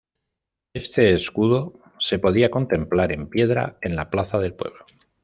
Este escudo se podía contemplar en piedra en la plaza del pueblo.